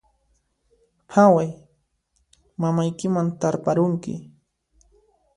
Phaway, mamaykiman tarparunki